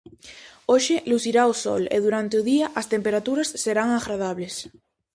Hoxe lucirá o sol e durante o día as temperaturas serán agradables.